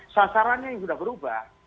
sasarannya sudah berubah